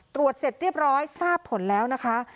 ตรวจเสร็จเรียบร้อยทราบผลแล้วนะคะ